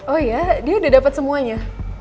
oh iya dia udah dapet semuanya